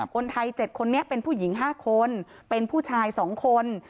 คนไทย๗คนนี้เป็นผู้หญิง๕คนเป็นผู้ชาย๒คน